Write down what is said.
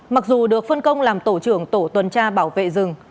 mặc dù được phân công làm tổ trưởng tổ tuần tra bảo vệ rừng